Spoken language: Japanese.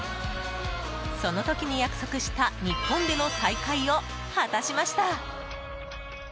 その時に約束した日本での再会を果たしました。